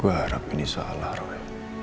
gue harap ini salah roy